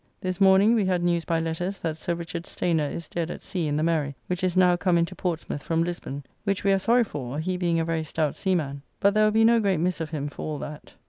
This morning we had news by letters that Sir Richard Stayner is dead at sea in the Mary, which is now come into Portsmouth from Lisbon; which we are sorry for, he being a very stout seaman. But there will be no great miss of him for all that.